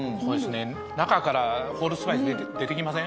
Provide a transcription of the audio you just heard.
中からホールスパイス出てきません？